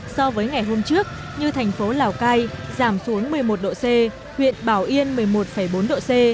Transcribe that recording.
so với ngày hôm trước như thành phố lào cai giảm xuống một mươi một độ c huyện bảo yên một mươi một bốn độ c